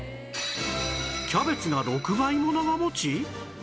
キャベツが６倍も長持ち！？